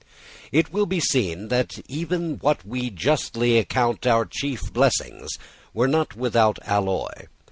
It will be seen that even what we justly account our chief blessings were not without alloy.